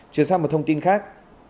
chuyển sang một thông tin khác